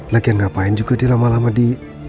lagian ngapain juga dia lama lama di